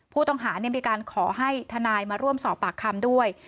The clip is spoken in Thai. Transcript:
ผู้ต้องหามีการขอให้ทนายมาร่วมสอบปากคำด้วย